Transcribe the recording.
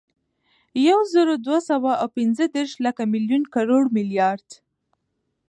یوزرودوهسوه اوپنځهدېرس، لک، ملیون، کروړ، ملیارد